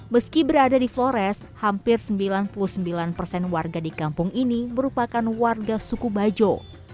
meski berada di flores hampir sembilan puluh sembilan persen warga di kampung ini merupakan warga suku bajo